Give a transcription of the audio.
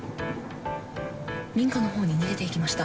民家のほうに逃げていきました。